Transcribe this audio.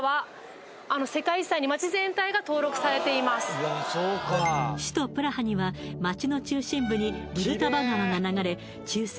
結構首都プラハには街の中心部にヴルタヴァ川が流れ中世